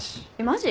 マジ？